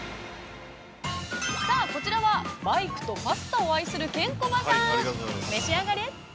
◆さあこちらは、バイクとパスタを愛するケンコバさん、召し上がれ。